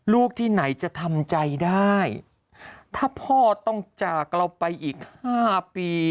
ลูกที่ไหนจะทำใจได้ถ้าพ่อต้องจากเราไปอีกห้าปี